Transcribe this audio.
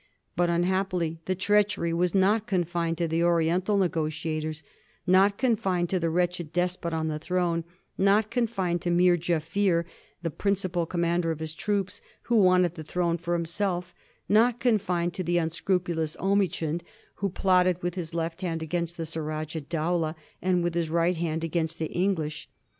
But unhappily the treachery was not confined to the Oriental negotiators ; not confined to the wretched despot on the throne ; not confined to Meer Jafiier, the principal commander of his troops, who wanted the throne for himself ; not confined to the un scrupulous Omichund, who plotted with his left hand against Surajah Dowlah, and with his right hand against the English.